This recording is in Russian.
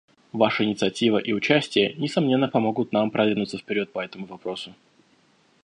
Ваша инициатива и участие, несомненно, помогут нам продвинуться вперед по этому вопросу.